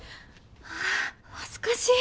あぁ恥ずかしい。